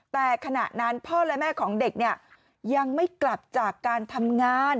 แต่ขณะนั้นพ่อและแม่ของเด็กเนี่ยยังไม่กลับจากการทำงาน